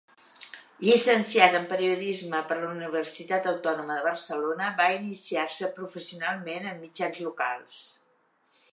Llicenciat en Periodisme per la Universitat Autònoma de Barcelona, va iniciar-se professionalment en mitjans locals.